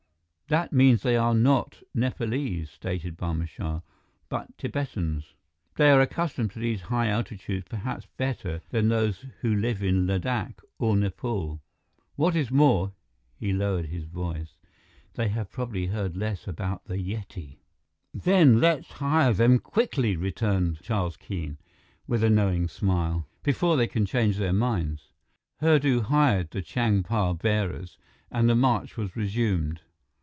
"That means that they are not Nepalese," stated Barma Shah, "but Tibetans. They are accustomed to these high altitudes perhaps better than those who live in Ladakh or Nepal. What is more" he lowered his voice "they have probably heard less about the Yeti." "Then let's hire them quickly," returned Charles Keene, with a knowing smile, "before they can change their minds." Hurdu hired the Changpa bearers, and the march was resumed.